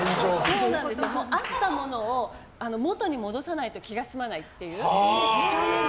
あったものを元に戻さないと気が済まないっていう。